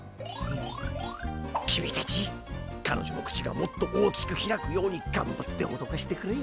君たち彼女の口がもっと大きく開くようにがんばっておどかしてくれよ。